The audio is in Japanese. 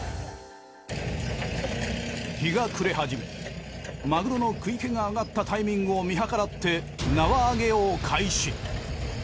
日が暮れ始めマグロの喰い気があがったタイミングを見計らって縄あげを開始。